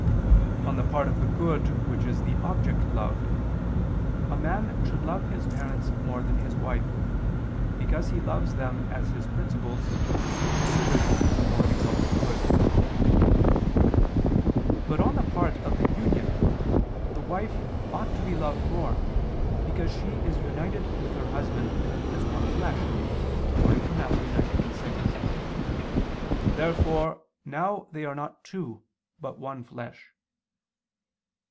On the part of the good which is the object loved, a man should love his parents more than his wife, because he loves them as his principles and considered as a more exalted good. But on the part of the union, the wife ought to be loved more, because she is united with her husband, as one flesh, according to Matt. 19:6: "Therefore now they are not two, but one flesh."